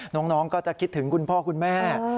น้องก็จะคิดถึงคุณพ่อคุณแม่